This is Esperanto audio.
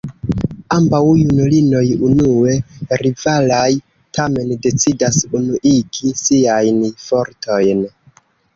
Ambaŭ junulinoj unue rivalaj tamen decidas unuigi siajn fortojn.